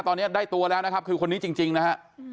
ตอนนี้ได้ตัวแล้วนะครับคือคนนี้จริงนะฮะ